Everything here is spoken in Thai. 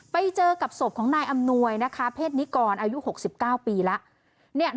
ไปเจอกับศพของนายอำนวยนะคะเพศนิกรอายุ๖๙ปีแล้ว